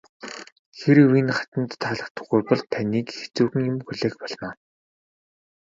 Хэрэв энэ хатанд таалагдахгүй бол таныг хэцүүхэн юм хүлээх болно.